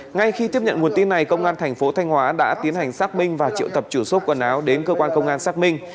ngay khi tiếp nhận nguồn tin này công an thành phố thanh hóa đã tiến hành xác minh và triệu tập chủ số quần áo đến cơ quan công an xác minh